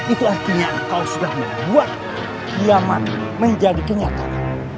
itu artinya engkau sudah membuat diaman menjadi kenyataan